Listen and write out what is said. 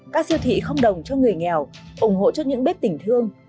các siêu thị không đồng cho người nghèo ủng hộ cho những bếp tình thương